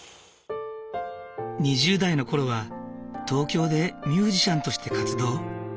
２０代の頃は東京でミュージシャンとして活動。